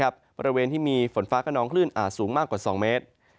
บริเวณที่มีฝนฟ้าขนองคลื่นอาจสูงมากกว่า๒เมตร